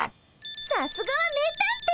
さすがは名探偵！